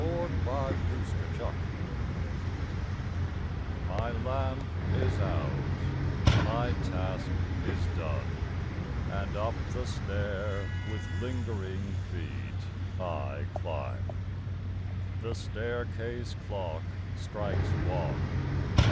A LATE GOOD NIGHT My lamp is out, my task is done, And up the stair with lingering feet I climb. The staircase clock strikes one.